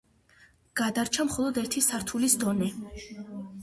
გადარჩა მხოლოდ ერთი სართულის დონე.